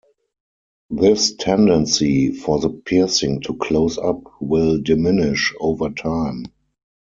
This tendency for the piercing to close up will diminish over time.